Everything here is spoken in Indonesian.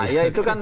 ya itu kan